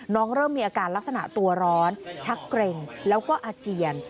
เริ่มมีอาการลักษณะตัวร้อนชักเกร็งแล้วก็อาเจียน